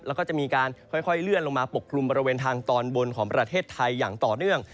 แล้วก็จะมีการค่อยเลื่อนลงมาปกคลุมบริเวณทางตอนบนของประเทศไทยอย่างต่อเนื่อง